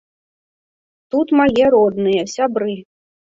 Тут мае родныя, сябры.